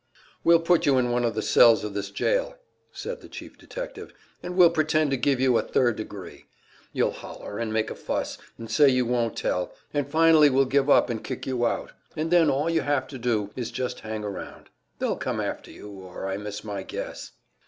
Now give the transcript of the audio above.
"We'll put you in one of the cells of this jail," said the chief detective, "and we'll pretend to give you a `third degree.' You'll holler and make a fuss, and say you won't tell, and finally we'll give up and kick you out. And then all you have to do is just hang around. They'll come after you, or I miss my guess."